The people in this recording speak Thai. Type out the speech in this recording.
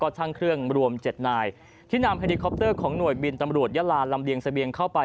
และช่างเครื่องมรวม๗นายที่นำเหลือเพจของหน่วยพยาบาลปรา